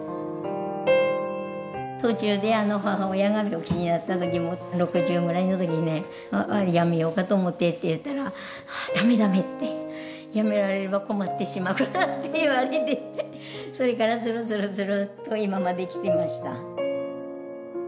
途中で母親が病気になった時も６０ぐらいの時にね辞めようかと思ってって言ったら駄目駄目って辞められれば困ってしまうからって言われてそれからずるずるずるっと今まできていました。